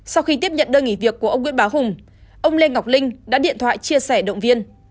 sau khi tiếp nhận đơn nghỉ việc của ông nguyễn báo hùng ông lê ngọc linh đã điện thoại chia sẻ động viên